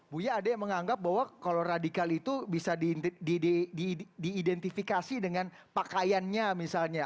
buya ada yang menganggap bahwa kalau radikal itu bisa diidentifikasi dengan pakaiannya misalnya